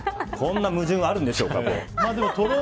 こんな矛盾はあるんでしょうか。